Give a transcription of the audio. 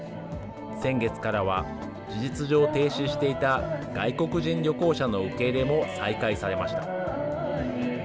先月からは、事実上停止していた外国人旅行者の受け入れも再開されました。